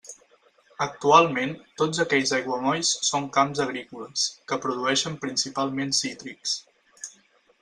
Actualment, tots aquells aiguamolls són camps agrícoles, que produeixen principalment cítrics.